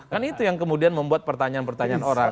kan itu yang kemudian membuat pertanyaan pertanyaan orang